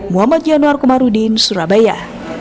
muhammad januar komarudin surabaya